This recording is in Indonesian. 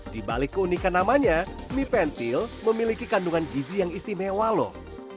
di balik keunikan namanya mie pentil memiliki kandungan gizi yang istimewa loh